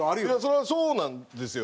それはそうなんですよ。